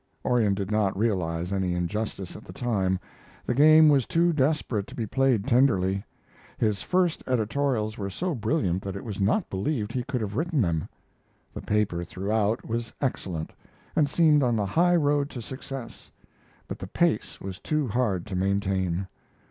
Orion did not realize any injustice at the time. The game was too desperate to be played tenderly. His first editorials were so brilliant that it was not believed he could have written them. The paper throughout was excellent, and seemed on the high road to success. But the pace was too hard to maintain.